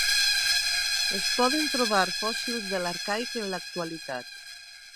Es poden trobar fòssils de l'Arcaic en l'actualitat.